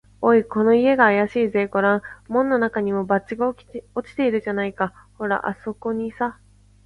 「おい、この家があやしいぜ。ごらん、門のなかにも、バッジが落ちているじゃないか。ほら、あすこにさ」